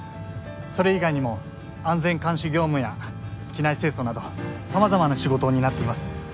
「それ以外にも安全監視業務や機内清掃など様々な仕事を担っています」